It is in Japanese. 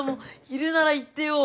いるなら言ってよ。